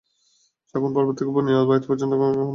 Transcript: শাইখাইন পর্বত থেকে বনী উবাইদ পর্বত পর্যন্ত খনন করা লক্ষ্য ছিল।